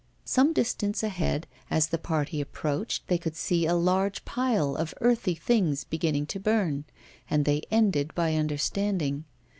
Some distance ahead, as the party approached, they could see a large pile of earthy things beginning to burn, and they ended by understanding.